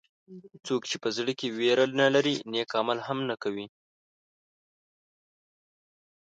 څوک چې په زړه کې وېره نه لري نیک عمل هم نه کوي.